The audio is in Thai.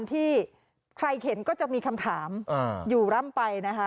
ที่ใครเห็นก็จะมีคำถามอยู่ร่ำไปนะคะ